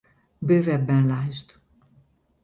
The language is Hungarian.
Bővebben ld.